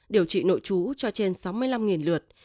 điều trị nội trú cho trên sáu mươi năm lượt